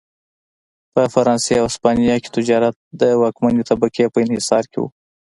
په فرانسې او هسپانیا کې تجارت د واکمنې طبقې په انحصار کې و.